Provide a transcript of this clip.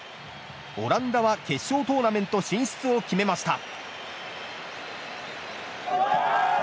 オランダは決勝トーナメント進出を決めました。